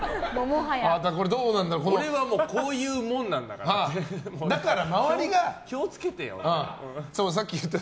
俺はこういうもんなんだからだから、周りが気を付けてよって。